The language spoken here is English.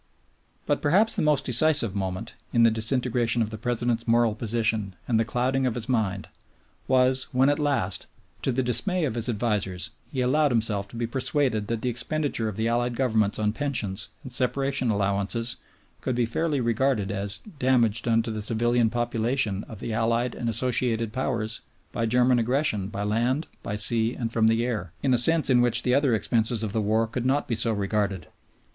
But perhaps the most decisive moment, in the disintegration of the President's moral position and the clouding of his mind, was when at last, to the dismay of his advisers, he allowed himself to be persuaded that the expenditure of the Allied Governments on pensions and separation allowances could be fairly regarded as "damage done to the civilian population of the Allied and Associated Powers by German aggression by land, by sea, and from the air," in a sense in which the other expenses of the war could not be so regarded.